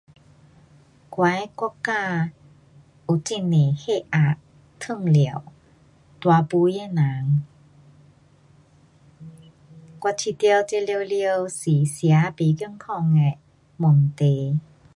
我的国家有很多血压，糖尿，大肥的人，我觉得这全部是吃不健康的问题。